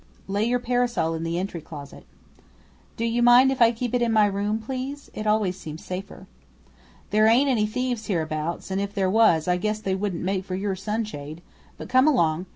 "Lay your parasol in the entry closet." "Do you mind if I keep it in my room, please? It always seems safer." "There ain't any thieves hereabouts, and if there was, I guess they wouldn't make for your sunshade, but come along.